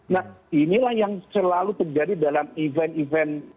nah inilah yang selalu terjadi dalam event event